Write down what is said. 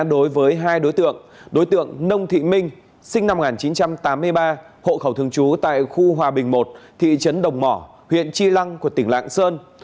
đối với hai đối tượng đối tượng nông thị minh sinh năm một nghìn chín trăm tám mươi ba hộ khẩu thường trú tại khu hòa bình một thị trấn đồng mỏ huyện tri lăng của tỉnh lạng sơn